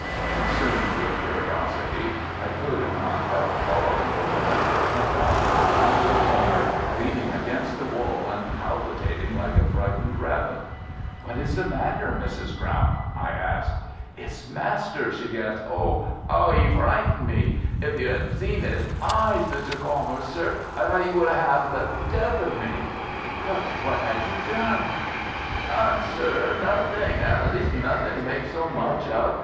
Consumed with curiosity, I could not help following the woman, and found her round the corner leaning against the wall and palpitating like a frightened rabbit. "What is the matter, Mrs. Brown?" I asked. "It's master!" she gasped. "Oh 'ow 'e frightened me! If you had seen 'is eyes, Mr. Colmore, sir. I thought 'e would 'ave been the death of me." "But what had you done?" "Done, sir! Nothing. At least nothing to make so much of.